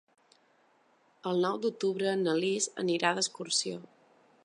El nou d'octubre na Lis irà d'excursió.